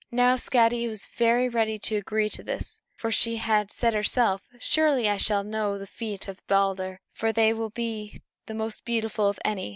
Now Skadi was very ready to agree to this, for she said to herself, "Surely, I shall know the feet of Balder, for they will be the most beautiful of any."